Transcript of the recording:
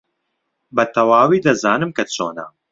بەتەواوی دەزانم کە چۆنە.